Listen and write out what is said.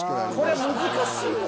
これ難しいわ。